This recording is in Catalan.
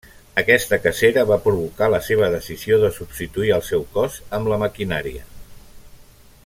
Aquesta cacera va provocar la seva decisió de substituir al seu cos amb la maquinària.